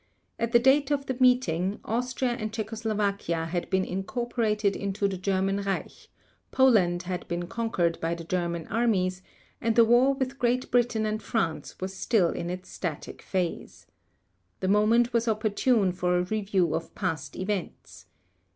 At the date of the meeting, Austria and Czechoslovakia had been incorporated into the German Reich, Poland had been conquered by the German Armies, and the war with Great Britain and France was still in its static phase. The moment was opportune for a review of past events.